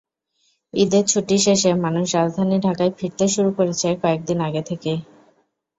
ঈদের ছুটি শেষে মানুষ রাজধানী ঢাকায় ফিরতে শুরু করেছে কয়েক দিন আগে থেকেই।